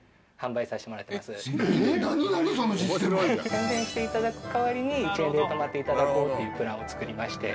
宣伝していただく代わりに１円で泊まっていただこうというプランを作りまして。